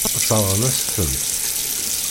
Sseṛɣen-as-tent.